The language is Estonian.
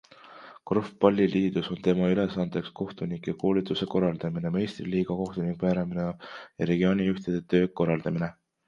Korvpalliliidus on tema ülesanneteks kohtunike koolituste korraldamine, meistriliiga kohtunike määramine ja regioonijuhtide töö korraldamine.